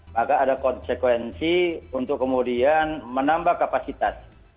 maka ada konsekuensi untuk kemudian menambah kapasitas